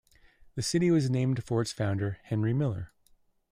The city was named for its founder, Henry Miller.